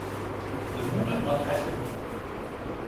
De wûne moat hechte wurde.